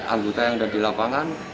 anggota yang ada di lapangan